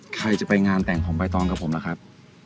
ใครจะไปงานแต่งของใบตองกับผมล่ะครับ